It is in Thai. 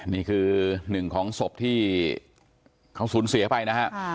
นี่คือหนึ่งของศพที่เขาสูญเสียไปนะฮะ